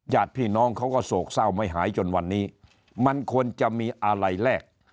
ญาติพี่น้องเขาก็โศกเศร้าไม่หายจนวันนี้มันควรจะมีอะไรแลก